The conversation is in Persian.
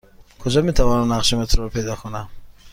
کجا می توانم نقشه مترو پیدا کنم؟